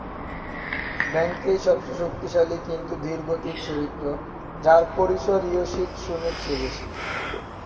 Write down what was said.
বেঙ্কেই সবচেয়ে শক্তিশালী কিন্তু ধীরগতির চরিত্র, যার পরিসর ইয়োশিৎসুনের চেয়ে বেশি।